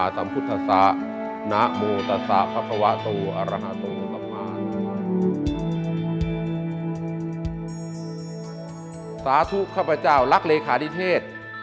สาธุข้าพเจ้ารักเลขานิเทศ